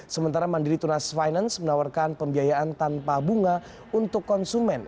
sementara mandiri tunas finance menawarkan pembiayaan tanpa bunga untuk konsumen